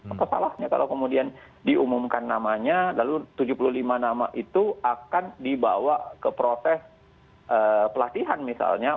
apa salahnya kalau kemudian diumumkan namanya lalu tujuh puluh lima nama itu akan dibawa ke proses pelatihan misalnya